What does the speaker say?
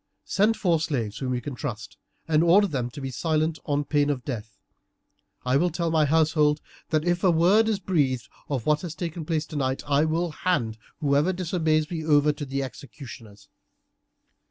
Send four slaves whom you can trust, and order them to be silent on pain of death. I will tell my household that if a word is breathed of what has taken place tonight, I will hand whoever disobeys me over to the executioners.